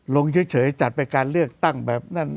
ลงเฉยจัดไปการเลือกตั้งแบบนั้น